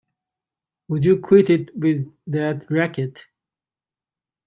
Would you quit it with that racket!